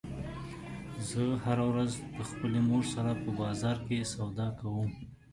زه هره ورځ د خپلې مور سره په بازار کې سودا کوم